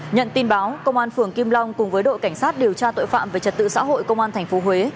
nhận tin báo công an phường kim long cùng với đội cảnh sát điều tra tội phạm về trật tự xã hội công an tp huế